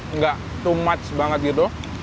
nggak too much banget gitu